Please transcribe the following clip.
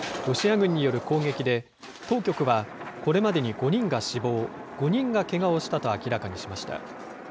ロシア軍による攻撃で、当局は、これまでに５人が死亡、５人がけがをしたと明らかにしました。